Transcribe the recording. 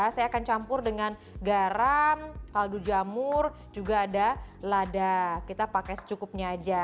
saya akan campur dengan garam kaldu jamur juga ada lada kita pakai secukupnya aja